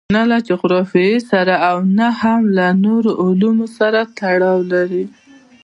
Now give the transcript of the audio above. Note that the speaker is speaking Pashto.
نه له جغرافیې سره او نه هم له نورو عواملو سره تړاو لري.